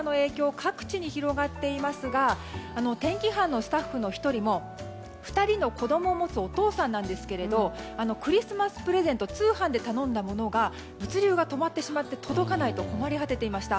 各地に広がっていますが天気班のスタッフの１人も２人の子供を持つお父さんなんですけどクリスマスプレゼント通販で頼んだものが物流が止まってしまって届かないと困り果てていました。